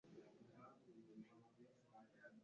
bambwira yuko naba ndwaye ikigatura